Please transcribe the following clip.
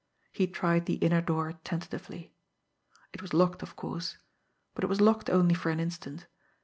He tried the inner door tentatively. It was locked, of course but it was locked only for an instant.